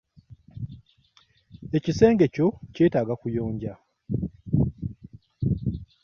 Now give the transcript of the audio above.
Ekisenge kyo kyetaaga kuyonja.